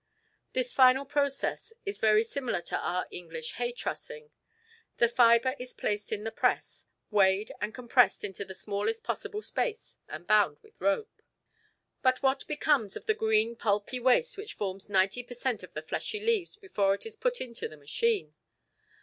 This final process is very similar to our English hay trussing. The fibre is placed in the press, weighed, and compressed into the smallest possible space and bound with rope. But what becomes of the green pulpy waste which forms 90 per cent. of the fleshy leaves before it is put into the machine?